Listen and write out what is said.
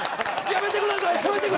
やめてください！って。